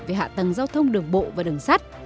về hạ tầng giao thông đường bộ và đường sắt